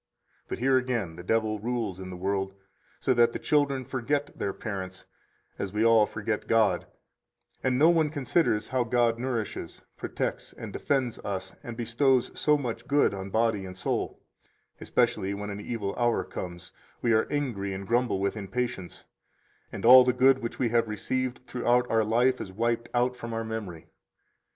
128 But here again the devil rules in the world, so that the children forget their parents, as we all forget God, and no one considers how God nourishes, protects, and defends us, and bestows so much good on body and soul; especially when an evil hour comes, we are angry and grumble with impatience, and all the good which we have received throughout our life is wiped out [from our memory].